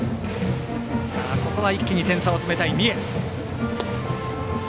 ここは一気に点差を詰めたい三重。